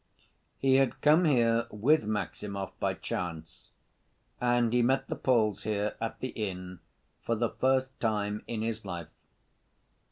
He had come here with Maximov by chance, and he met the Poles here at the inn for the first time in his life.